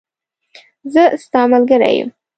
زه ستاملګری یم